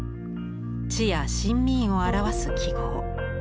「地」や「臣民」を表す記号。